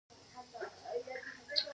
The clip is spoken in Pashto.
دا سپيني خبري کوي.